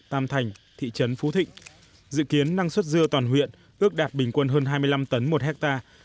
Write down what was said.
tam thành thị trấn phú thịnh dự kiến năng suất dưa toàn huyện ước đạt bình quân hơn hai mươi năm tấn một hectare